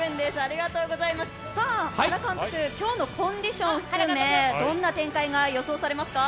原監督、今日のコンディション含め、どんな展開が予想されますか？